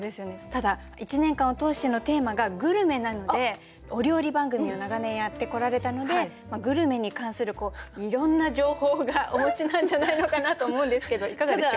ただ１年間を通してのテーマが「グルメ」なのでお料理番組を長年やってこられたのでグルメに関するいろんな情報がお持ちなんじゃないのかなと思うんですけどいかがでしょう。